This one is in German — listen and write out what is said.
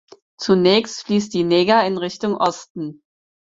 Zunächst fließt die Neger in Richtung Osten.